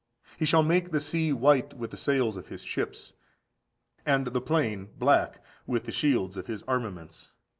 He shall make the sea white with the sails of his ships, and the plain black with the shields of his armaments.